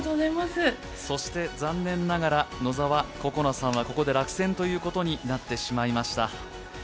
そして、残念ながら野澤ここなさんは、ここで落選となってしまいました。